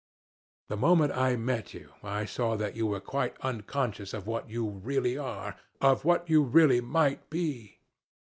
The moment I met you I saw that you were quite unconscious of what you really are, of what you really might be.